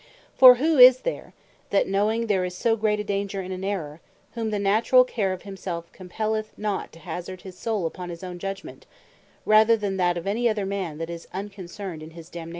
For who is there, that knowing there is so great danger in an error, when the naturall care of himself, compelleth not to hazard his Soule upon his own judgement, rather than that of any other man that is unconcerned in his damnation?